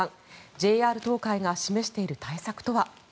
ＪＲ東海が示している対策とは？